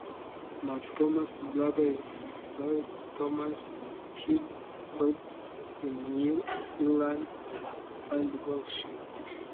Matt Thomas' brother is Gareth Thomas, keyboardist in New Zealand band Goodshirt.